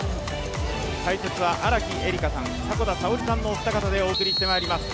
解説は荒木絵里香さん、迫田さおりさんのお二方でお伝えしてまいります。